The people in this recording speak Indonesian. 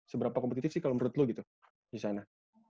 seberapa kompetitif sih kalau menurut lu gitu disana